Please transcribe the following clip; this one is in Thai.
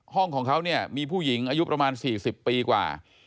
ของเขาเนี่ยมีผู้หญิงอายุประมาณ๔๐ปีกว่า